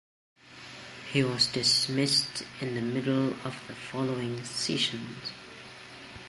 He was dismissed in the middle of the following season.